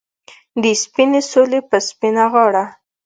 د سپینې سولې په سپینه غاړه